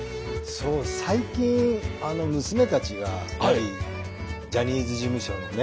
そう最近娘たちがやはりジャニーズ事務所のね